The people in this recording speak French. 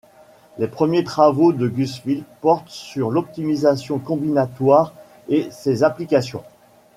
Les premiers travaux de Gusfield portent sur l'optimisation combinatoire et ses applications.